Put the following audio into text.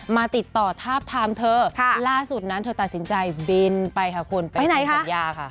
มาติดต่อทาบทามเธอล่าสุดนั้นเธอตัดสินใจบินไปค่ะคุณไปในสัญญาค่ะ